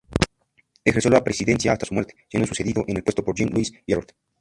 Ejerció la presidencia hasta su muerte, siendo sucedido en el puesto por Jean-Louis Pierrot.